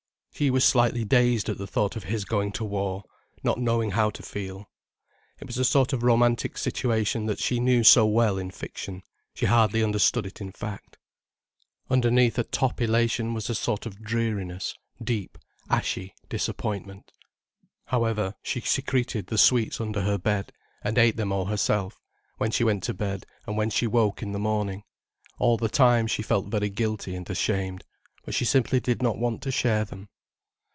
She was slightly dazed at the thought of his going to the war, not knowing how to feel. It was a sort of romantic situation that she knew so well in fiction she hardly understood it in fact. Underneath a top elation was a sort of dreariness, deep, ashy disappointment. However, she secreted the sweets under her bed, and ate them all herself, when she went to bed, and when she woke in the morning. All the time she felt very guilty and ashamed, but she simply did not want to share them.